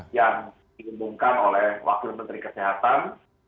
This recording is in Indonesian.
yang diumumkan oleh wakil menteri kesehatan